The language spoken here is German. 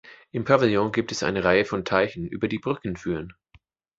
Im Pavillon gibt es eine Reihe von Teichen, über die Brücken führen.